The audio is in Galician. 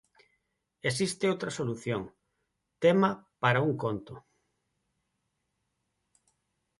Existe outra solución, tema para un conto.